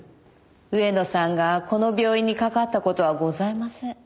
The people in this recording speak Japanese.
上野さんがこの病院にかかった事はございません。